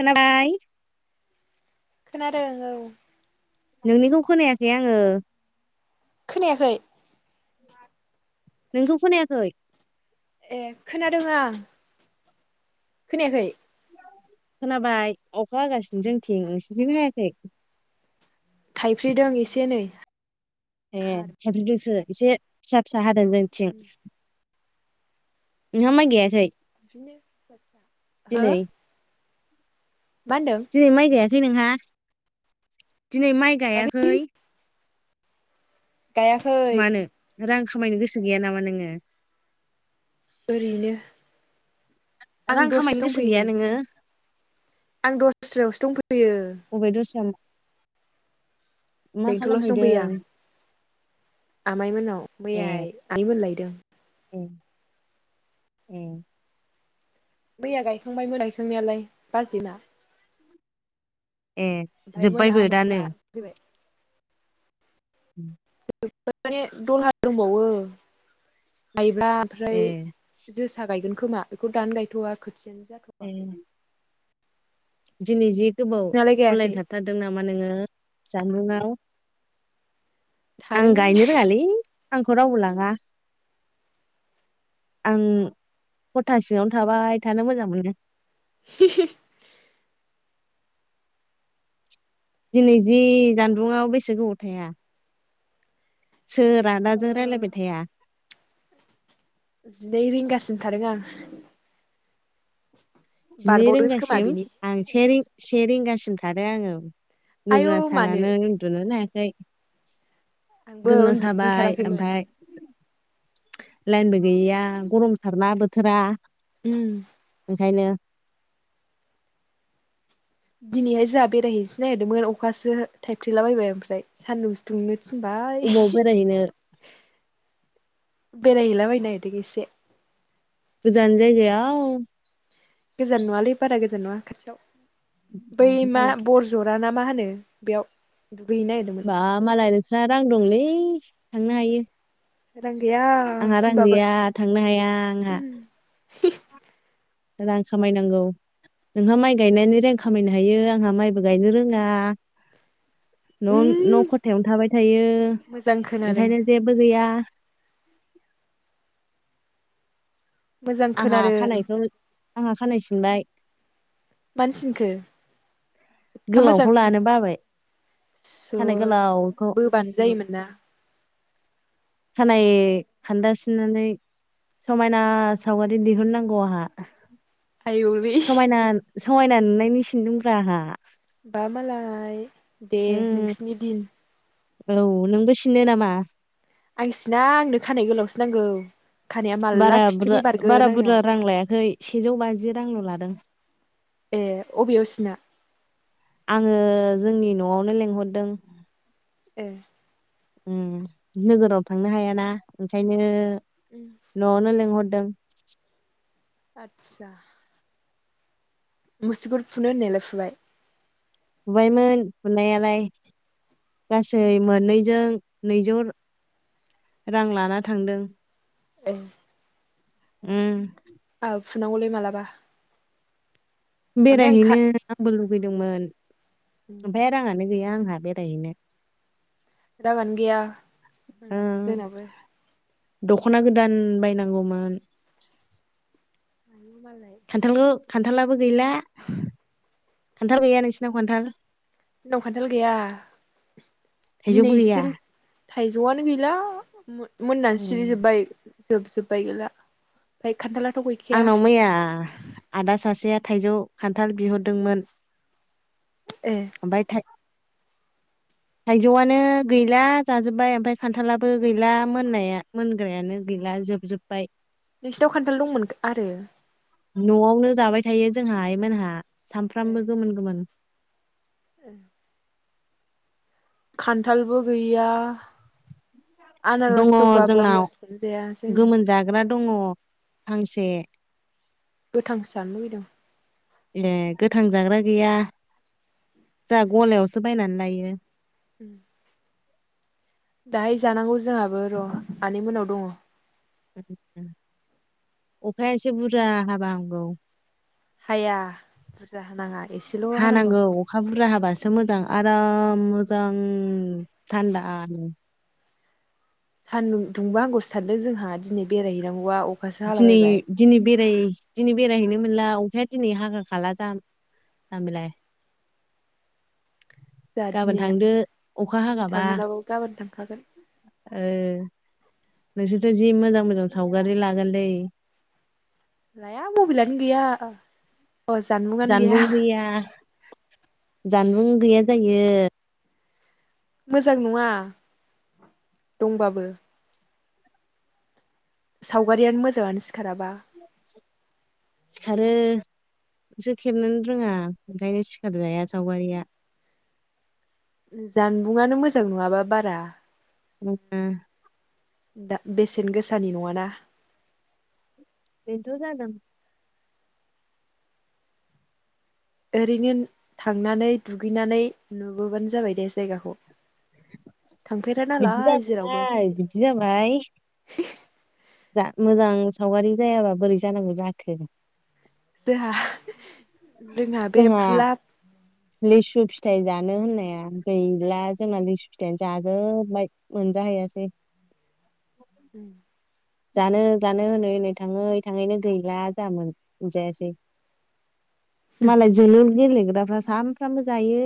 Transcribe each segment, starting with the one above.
खोनाबाय। खोनादों औ। नोंनिखौ खोनायाखै आङो। खोनायाखै? नोंखौ खोनायाखै? ए खोनादों आं। खोनायाखै खोनाबाय अखा हागासिनो जोंथिं नोंसिनथिं खोनायाखै थाइफ्रिदों एसे नै ए थायफ्रिदोंसो एसे फिसा फिसा हाद दों जोंथिं बिदिनो नवाव माय गायाखै? दिनो फिसा फिसा हो मा होनदों जाय माइ गाया खै नोंहा दिनै माइ गायाखै गायाखै मानो रां खामायनो गोसो गैया नामा नोङो? ओरैनो आं रां खामायनो दस्रायावसो गोसो दंफैयो गैया नै नोङो? आं दस्रायावसो दंफैयो। अबे दस्रा मा बेंथलावसो खालामहैदों दंफैयो आं आमाइमोननाव ए मैया आइ नैमोन लायदों ए ए मैया गायखांबायमोन गायखांनायालाय बाजै ना ए मोना जोब्बायबो मोना दानो फैबाय उ माने दलहाार दंबावो गायब्ला ओमफ्राय ए जोसा गायगोन खोमा बेखौ दानो गायथ'वा थन ए जाथ'वाखै दिनै जि गोबाव नोंहालाय अनलाइन गायाखै? थाथारदों नामा नोङो [inaudible] आं थादोंमोन गायनो रोङालै आंखौ रावबो लाङा आं हथासेङावनो थाबाय थानो मोजां मोनो [inaudible] दिनै जि जानबुंआव बेसे गोबाव थाया? सोर ओ आदाजों रायलायबाय थाया? थारग जिनै खोमा रिंगासिम बिनि आं सेेरिंगासिम सार आङो आयौ गुदुना मानो सानानो उन्दुनो हाखौ आंबो द गुदुना उन्दुनो साबाय ओंखाराखैमोन ओमफ्राय लाइनबो गैयैया गरमथारनाा बोथोरा उम ओखायनो दिनैहाय जोंहा बेरायहैनोसै नागिरदोंमोन अखासो थाइफ्लेलाबायबाय ओमफ्राय सान्दुंसो दुंनो बाय अबाव बेरायहैनो बेरायहैला बायनी नागिरदों इसे गीजान जायन गोजान नुवालै बारा गोजान नङा खाथियाव बै मा मालाय बरजर ग ना मा होनो बेयाव दुगैहैनो नागिरदोंमोन बा मालाय नोंसना रां दंलै थांनो हायो रां गैया आंहा रां होनबाबो गैया थांनो हाया आंहा रां खामायनांगौ नोंहा माइ गायनानै रां खामायनो हायो आंहा माइबो गायनो रोङा न' न' उम खथायावनो थाबाय थायो मोजां खोनादों ओंखायनो जेबो गैया मोजां आंहा खोनादों खानायखौ आंहा खानाय सिनबाय मानो सिनखो एफा मोजां गोलावखौ लानो खानो बाबाय स' खानाय गोलावखौ बोबानो जायोमोन ना खानाय खान्दासिननानै समायना सावगारि दिहुननांगौ आंहा आयैउरि समायना समायना नुनायनि सिनदोंब्रा आंहा बामालाय दे उम नोंसिनि दिन औ नोंबो सिनो नामा आं सिना आंनो खानाय गोलावसो नांगौ खानाया माला बारा बुरजा खिथुनि बारगोन बारा आंना बुरजा रां लायाखै सेजौ बाजि रांल' लादों ए अबेयाव सिना आङो जोंनि न'आवनो लेंंहरदों ए उम नोगोराव थांनो हायाना ओंखायनो उम न'आव नो लेंंहरदों आतसा मुसुगुर फुनो होन्नायालाय फुबाय फुबायमोन फुनायालाय गासै मोननैजों नैजौ रां लाना थांदों ए उम आंहाबो फुनांगौलै मालाबा ओमफ्राय आं खा बेरायहनो आबो लुगैदों दोंमोन उम ओमफाय रांङानो गैया आंहा बेरायनोनो राङानो गैया ओ आंनाबो जोंनाबो दख'ना गोदान बायनांगौमोन आयौ मालाय खान्थालखौ खान्थालाबो गैला खान्थाल गैया नोंसिनाव खान्थाल जोंनाव खान्थाल गैया थाइजौबो गैया दिनैसिम थाइजौआनो गैला मोन मोननानै उम सिरिजोब्बाय जोबजोबबाय गैला [unintelligible] खान्थाला आंनाव मैया आदा सासेया थाइजौ खान्थाल बिहरदोंमोन। ओमफ्राय थाइ थाइजौआनो गैला जाजोब्बाय ओमफ्राय खान्थालाबो गैला मोननाया मोनग्रायानो गैला जोबजुब्बाय। नोंसिनाव खान थाल दंमोन आरो? न'आवनो जाबाय थायो जोंहा आइमोनहा। सानफ्रामबो गोमोन गोमोन। ओ खान्थालबो गैया दङ आनारस दंबाबो जोंनाव आनारसखौनो जाया जोङो गोमोन जाग्रा दङ फांसे गोथांसो जानो लुुबैदों ए गोथां जाग्रा गैया जोंहा गलायावसो बायनानै लायो। ओम दाहाय जानांगौ जोंहाबो र' आनै मोननाव दङ। अखाया एसे बुरजा हाबा हामगौ। हाया बुरजा हानाङा एसेल' हानांगौ अखा बुरजा हाबासो मोजां आराम मोजां थान्दा नो। सानदुं दुंबा हामगौसो सानदों जोंहा दिनै बेरायहैनांगौआव दिनै दिनै बेराय दिनै बेरायहैनो मोनला अखाया दिनै हागा खाला जाम- जामबिलाय। जोंहा गाबोन दिनैहा थांदो अखा दिनै हागाबा थांलाबाबो गाबोन थांखागोन। ओ नोंसोरथ' जि मोजां मोजां सावगारि लागोन लै। लाया मबेलानो गैया। अ जानबुंआनो जानबुं गैया जानबुं गैया जा यो। मोजां नङा दंबाबो। सावगारियानो मोजाङानो सिखाराबा। सिखारो नोसो खेबनोनो रोङा ओंखायनो सिखारजाया सावगारिया। जानबुंआनो मोजां नङाबा बारा। ओम आ दा बेसेन गोसानि नङाना। बेन थ' जादों। ओरैनो थांनानै दुगैनानै नुबोबानो जाबाय दे जायगाखौ। थांफेरा बिदि नालाय जेरावबो जाबाय बिदि जाबाय। जा मोजां सावगारि जायाबा बोरै जानांगौ जाखो। जोहा जोंहा बे फुला लिसु फिथाइ जानो होननाया गैला जोंना लिसु फिथायाइ जाजोबबाय मोनजाहैयासै। जानो जानो होनै होनै थाङै थाङैनो गैला जा मोन मोनजायासै मालाय जुलुर गेलेग्रा दा सामफ्रामबो जायो।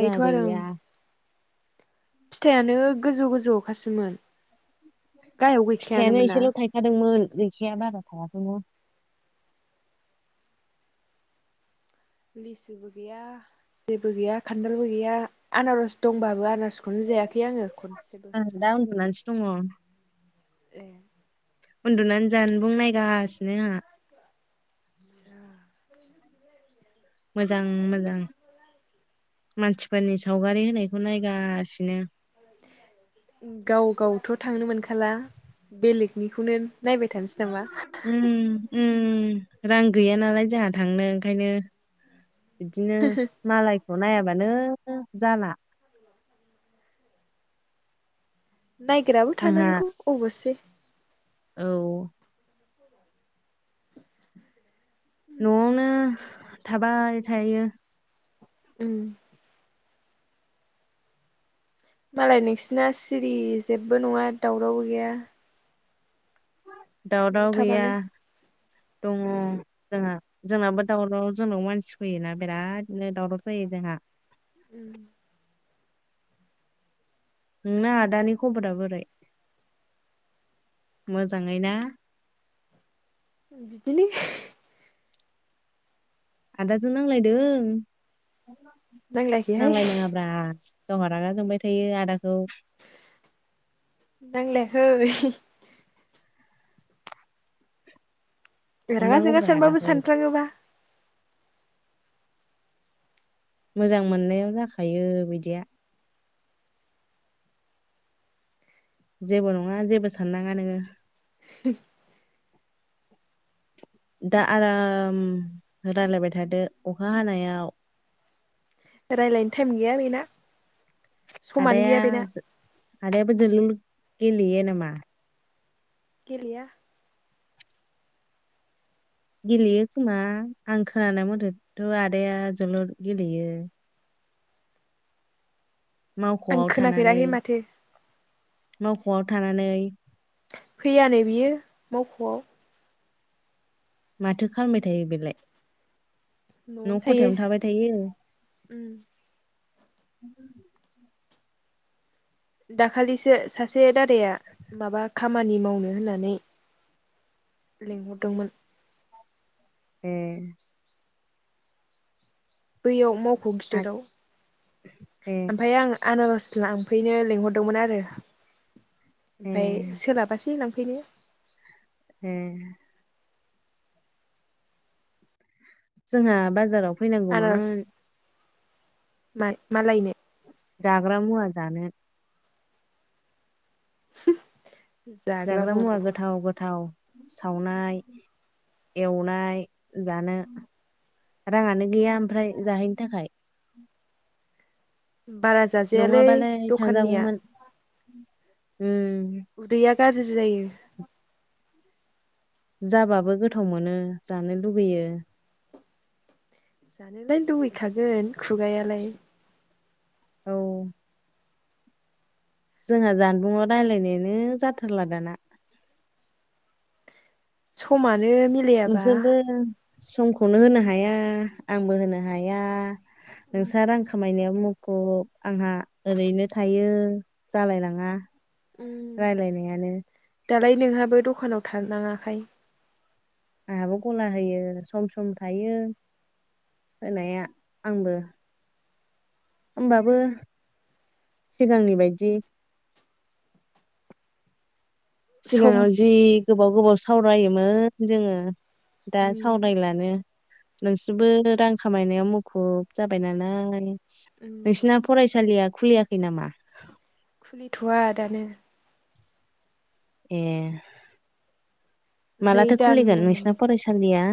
जाहा गैया फिथाइानो गोजौ गोजौ खासोमोन फिथाइयानो एसेल' थायखादोंमोन। गैखाया बारा लिसुबो गैया जेबो गैया खान्थालबो गैया आनारस दंबाबो आनारस बेखौनो जायाखै आङो खनसेबो आं दा उन्दुनानैसो दङ ए उन्दुनानै जानबुंनायगासिनो आंहा आदसा मोजां मोजां मानसिफोरनि सावगारि होनायखौ नायगासिनो गाव गावथ' थांनो मोनखाला बेलेगनिखौनो नायबाय थानोसै नामा उम उम रां गैया नालाय जोंहा थांनो ओंखायनो बिदिनो मालायखौ नायाबानो जाला नायग्राबो आंहा थानांगौ अब'से औ न'आवनो थाबाय थायो। उम मालाय नोंसिना सिरि जेबो नङा दावराव गैया न'आव दावराव गैया थाबानो दङ जोंहा जोंनाबो दावराव जोंनाव मानसि फैयोना बिरादनो दावराव जायो जोंहा उम नोंना आदानि खबरा बोरै मोजाङै ना? बिदिनो आदाजों नांलायदों नांलायाखैहाय नांलाय नाङाब्रा गावहा रागा जोंबाय थायो आदाखौ नांलायाखै [unintelligible] रागा जोंङा अननांगौब्रा सानबाबो आदाखौ सानफ्राङोबा मोजां मोननायाव जाखायो बिदिया जेबो नङा जेबो साननाङा नोङो [unintelligible] दा आराम रायलायबाय थादो अखा हानायाव रायज्लायनो टाइम गैया बेना समानो आदाया गैया बेना आदाया जोलुर गेलेयो नामा? गेलेया। गेलेयो खोमा आं खोनानाय मथेथ' आदाया जोलुर गेलेयो आं मावखआव थानानै खोनाफेराखै माथो न'आव थानानै फैयानो बियो मावख'आव माथो खालामबाय थायो बेलाय न' न'आवनो थायो खथायावनो थाबाय थायो। ओम उम दाखालिसो सा से दादाया माबा खामानि मावनो होननानै लिंहरदोंमोन। ए। बैयाव मा ख' आ गिदिराव ए ओमफ्राय आं आनारस लांफैनो लिंहरदोंमोन आरो। ए ओमफ्राय सोलाबासै लां बिनोनो ए। जोंहा बाजाराव फैनांगौमोन मा मालायनो? जाग्रा मुवा जानो। जाग्रा मुवा गोथाव गोथाव सावनाय एवनाय जानो राङानो गैया ओमफ्राय जाहैनो थाखाय। बारा जाजायालै द'खाननिया। ओम। उदैया गाज्रि जायो। [inaudible] जाबाबो गोथाव मोनो जानो लुुबैयो। जानोलाय लुबैखागोन। खुगायालाय। औ। जोंहा जानबुंआव रायलायनायानो जाथारला दाना। समा नो मिलायाबा नोंसोरबो समखौनो होनो हाया आंबो होनो हाया उम नोंस्रा रां खामायनायाव मु खुब आंहा ओरैनो थायो जालायलाङा। उम रायलायनायानो दालाय नोंहाबो दखानाव थानाङाखाय? आंहाबो गला होयो सम सम थायो होनाया आंबो होमबाबो सिगांनि बायदि सम सिगाङाव जि गोबाव गोबाव सावरायोमोन जोङो दा उम सावरायलानो। नोंसोरबो रां खामायनायाव मुखुब जाबाय नालाय। उम नोंसिना फरायसालिया खुलियाखै नामा? खुलिथ'आ दानो। ए। नै मालाथो दान खुलिगोन दंबावो नोंसिना फरायसालिया?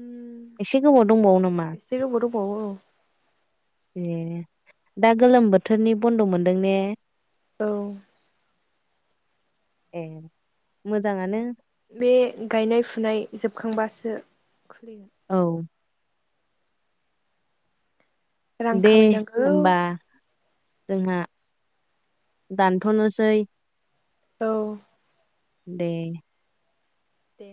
उम एसे गोबाव दंबावो नामा? एसे गोबाव दंबावो औ ए दा गोलोम बोथोरनि बन्द' मोनदों ने? औ। ए मोजाङानो। बे गायनाय फुनाय जोबोद खांबासो औ। रां दे खामायनांगौ होमबा। जोंहा दानथ'नोसै। औ। दे। दे।